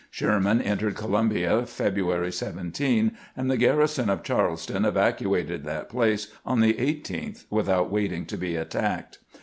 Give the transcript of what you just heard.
Sherman entered Columbia February 17, and the garri son of Charleston evacuated that place on the 18th without waiting to be attacked.